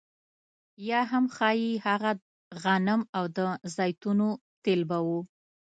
یا هم ښايي هغه غنم او د زیتونو تېل به وو